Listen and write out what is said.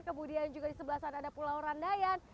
kemudian juga di sebelah sana ada pulau randayan